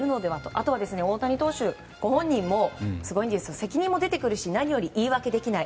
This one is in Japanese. あとは大谷投手ご本人も責任も出てくるし何より言い訳できない。